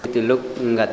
từ lúc gặp chị